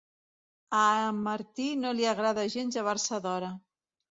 A en Martí no li agrada gens llevar-se d'hora.